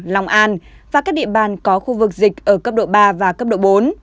lòng an và các địa bàn có khu vực dịch ở cấp độ ba và cấp độ bốn